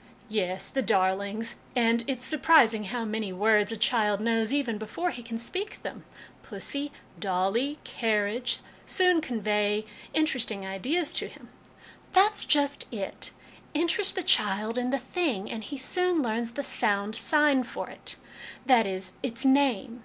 " Yes, the darlings ! and it's surprising how many words a child knows even before he can speak them ;' pussy/ ' dolly,' ' carriage/ soon convey interesting ideas to him." LESSONS AS INSTRUMENTS OF EDUCATION 209 " That's just it. Interest the child in the thing, and he soon learns the sound sign for it that is, its name.